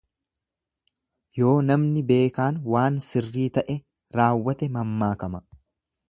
Yoo namni beekaan waan sirrii ta'e raawwate mammaakama.